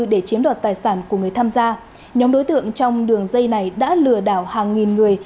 để chiếm đoạt tài sản của người tham gia nhóm đối tượng trong đường dây này đã lừa đảo hàng nghìn người